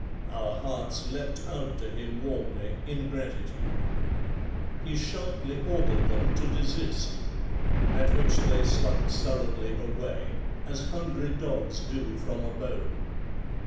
Our hearts leapt out to him warmly, in gratitude. He sharply ordered them to desist, at which they slunk sullenly away, as hungry dogs do from a bone.